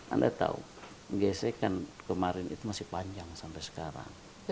anda tahu gesekan kemarin itu masih panjang sampai sekarang